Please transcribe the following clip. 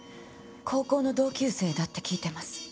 高校の同級生だって聞いてます。